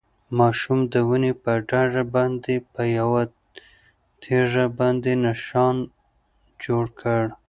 ماشوم د ونې په ډډ باندې په یوه تیږه باندې نښان جوړ کړ.